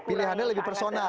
pilihannya lebih personal